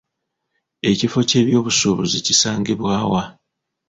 Ekifo ky'ebyobusuubuzi kisangibwa wa?